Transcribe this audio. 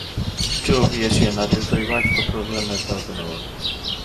Do, fues i yna ryw ddwy waith cwpl o flynyddoedd yn ôl.